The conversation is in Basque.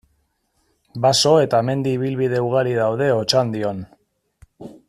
Baso eta mendi ibilbide ugari daude Otxandion.